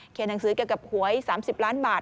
หนังสือเกี่ยวกับหวย๓๐ล้านบาท